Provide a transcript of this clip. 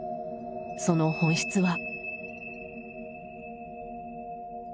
その本質は？